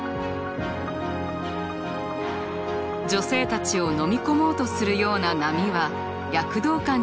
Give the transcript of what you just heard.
女性たちをのみ込もうとするような波は躍動感にあふれています。